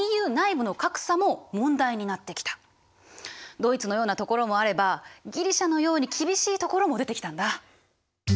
ドイツのような所もあればギリシアのように厳しい所も出てきたんだ。